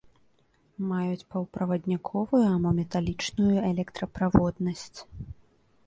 Маюць паўправадніковую або металічную электраправоднасць.